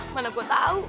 mana gue tau